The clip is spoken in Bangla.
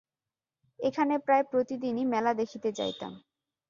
এখানে প্রায় প্রতিদিনই মেলা দেখিতে যাইতাম।